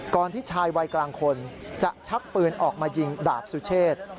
ที่ชายวัยกลางคนจะชักปืนออกมายิงดาบสุเชษ